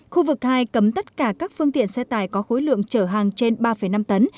khu vực hai cấm tất cả các phương tiện xe tải có khối lượng chở hàng trên ba năm tấn